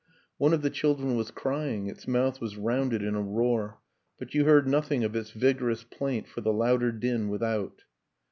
One of the children was crying its mouth was rounded in a roar but you heard nothing of its vigorous plaint for the louder din without.